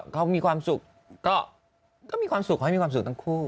เขามีความสุขก็มีความสุขเขาให้มีความสุขทั้งคู่